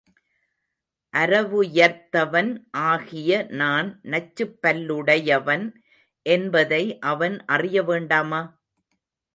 அரவுயர்த்தவன் ஆகிய நான் நச்சுப்பல்லுடை யவன் என்பதை அவன் அறிய வேண்டாமா?